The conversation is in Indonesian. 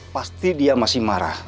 pasti dia masih marah